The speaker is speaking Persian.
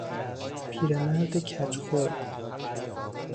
پیرمرد کج خلق